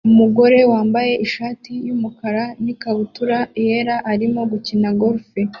Umugore wambaye ishati yumukara n ikabutura yera arimo gukina golf